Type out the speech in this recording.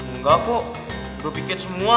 engga kok udah piket semua